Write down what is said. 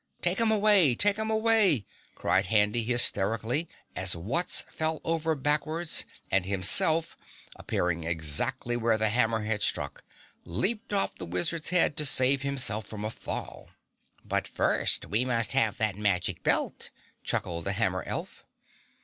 "Take 'em away! Take 'em away!" cried Handy hysterically, as Wutz fell over backwards, and Himself, appearing exactly where the hammer had struck, leaped off the wizard's head to save himself from a fall. "But first we must have that magic belt," chuckled the hammer elf.